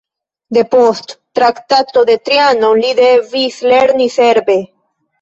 Depost Traktato de Trianon li devis lerni serbe.